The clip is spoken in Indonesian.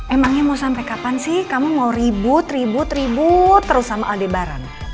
emangnya mau sampai kapan sih kamu mau ribut ribut ribut terus sama aldebaran